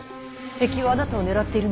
敵はあなたを狙っているのですよ。